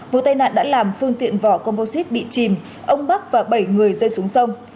vụ tai nạn đã làm phương tiện vỏ composite bị chìm ông bắc và bảy người rơi xuống sông